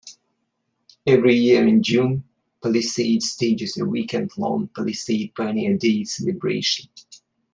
Every year in June, Palisade stages a weekend-long "Palisade Pioneer Days" celebration.